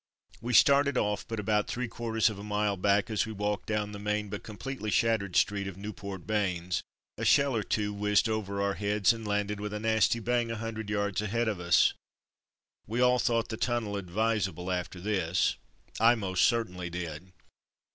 We started oflf, but about three quarters of a mile back, as we walked down the main but completely shattered street of Nieuport Bains, a shell or two whizzed over our heads and landed with a nasty bang a hundred yards ahead of us. We all thought the tunnel advisable after this — I most certainly did.